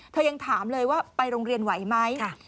ยังถามเลยว่าไปโรงเรียนไหวไหม